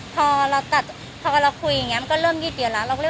พอเราตัดพอเราคุยอย่างเงี้ยมันก็เริ่มยืดเดี๋ยวแล้วเราก็เลย